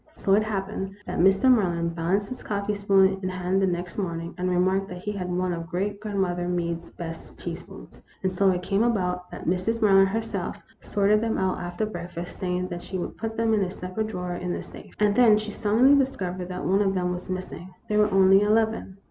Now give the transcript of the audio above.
So it happened that Mr. Maryland balanced his coffee spoon in hand the next morning, and remarked that he had one of great grandmother Meade's best teaspoons. And so it came about that Mrs. Mary land, herself, sorted them out after breakfast, saying that' she would put them in a separate drawer in the safe. 1 88 THE ROMANCE OF A SPOON. And then she suddenly discovered that one of them was missing. There were only eleven.